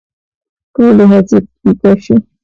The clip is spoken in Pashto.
ټولې هڅې پيکه شي